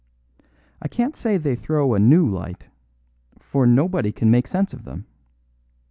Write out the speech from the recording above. I can't say they threw a new light; for nobody can make sense of them.